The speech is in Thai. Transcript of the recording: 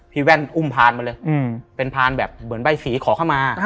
แว่นอุ้มพานมาเลยเป็นพานแบบเหมือนใบสีขอเข้ามา